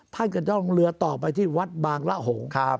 ท่านก็จะลงเรือต่อไปที่วัดบางละหง